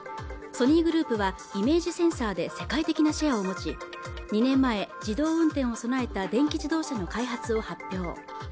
ソニーグループはイメージセンサーで世界的なシェアを持ち２年前自動運転を備えた電気自動車の開発を発表